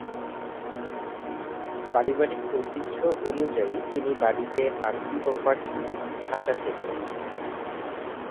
পারিবারিক ঐতিহ্য অনুযায়ী তিনি বাড়িতে আরবি ও ফারসি ভাষা শেখেন।